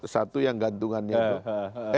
satu yang gantungannya tuh